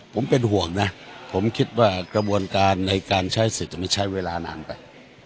ผมเป็นห่วงนะผมคิดว่ากระบวนการในการใช้สิทธิ์มันใช้เวลานานไป